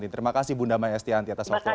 terima kasih bunda maya escianti atas waktu anda